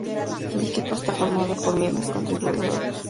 El equipo está formado por miembros y contribuidores.